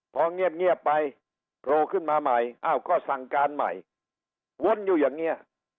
พอเงียบไปโผล่ขึ้นมาใหม่อ้าวก็สั่งการใหม่วนอยู่อย่างนี้